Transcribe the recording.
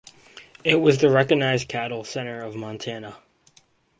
It was the recognized cattle centre of Montana.